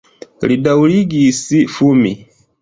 Li daŭrigis fumi.